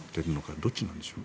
どっちなんでしょうか。